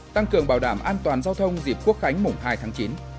tăng cường bảo đảm an toàn giao thông dịp quốc khánh mùng hai tháng chín